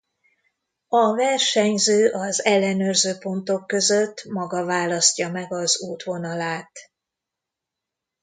A versenyző az ellenőrzőpontok között maga választja meg az útvonalát.